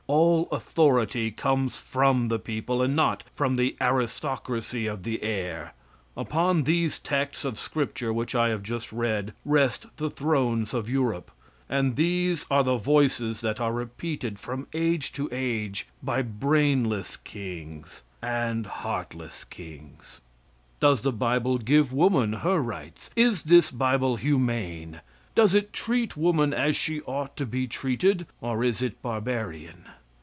All authority comes from the people, and not from the aristocracy of the air. Upon these texts of scripture which I have just read rest the thrones of Europe, and these are the voices that are repeated from age to age by brainless kings and heartless kings. Does the bible give woman her rights? Is this bible humane? Does it treat woman as she ought to be treated, or is it barbarian?